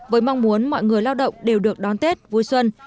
với mong muốn mọi người lao động đều được đón tết vui xuân